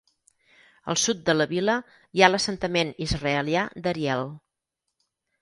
Al sud de la vila hi ha l'assentament israelià d'Ariel.